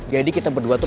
jadi kita berdua tuh